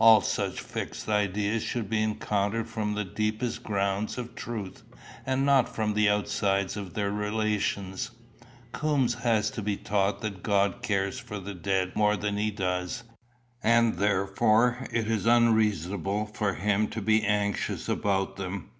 All such fixed ideas should be encountered from the deepest grounds of truth, and not from the outsides of their relations. Coombes has to be taught that God cares for the dead more than he does, and therefore it is unreasonable for him to be anxious about them."